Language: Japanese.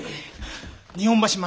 日本橋槙